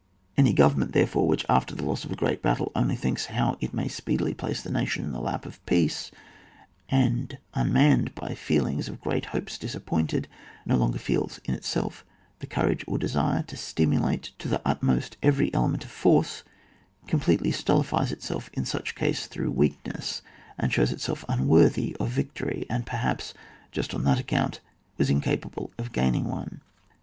Any government, therefore, which, after the loss of a great battle, only thinks how it may speedily place the nation in the lap of peace, and unmanned by the feeling of great hopes disappointed, no longer feels in itself the courage or the desire to stimiilate to the utmost every element of force, completely stulti fies itself in such case through weakness, and shows itself unworthy of victory, and, perhaps, just on that account, was incapable of gaining one.